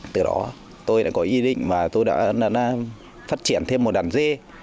từ đó tôi đã có ý định mà tôi đã phát triển thêm một đàn dê